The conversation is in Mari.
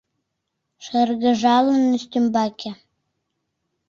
Шыргыжалын, ӱстембаке